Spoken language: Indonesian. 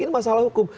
ini masalah hukum